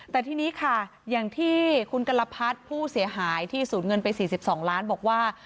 แต่ทีนี้ค่ะอย่างที่คุณกัลพัฒน์ผู้เสียหายที่สูญเงินไป๔๒ล้านบอกว่า